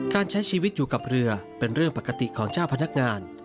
การใช้ชีวิตอยู่กับเรือเป็นเรื่องปกติของเจ้าพนักงาน